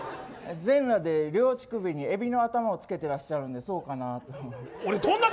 全裸で両乳首にエビの頭をつけていらっしゃるんでそうかなって。